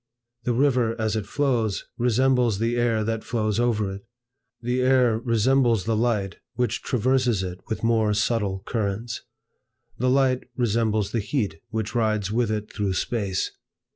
The river, as it flows, resembles the air that flows over it; the air resembles the light which traverses it with more subtile currents; the light resembles the heat which rides with it through Space.